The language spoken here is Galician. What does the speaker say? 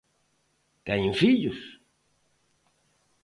Teñen fillos?